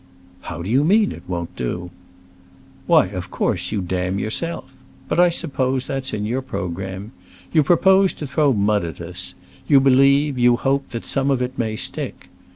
"How do you mean it won't do?" "Why, of course you damn yourself. But I suppose that's in your programme. You propose to throw mud at us; you believe, you hope, that some of it may stick.